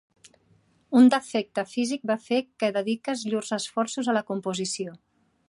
Un defecte físic va fer que dediques llurs esforços a la composició.